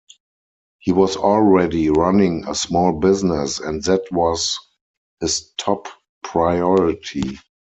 He was already running a small business and that was his top priority.